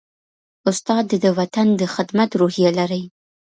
استاد د وطن د خدمت روحیه لري.